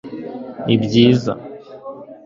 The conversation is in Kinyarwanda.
nibyiza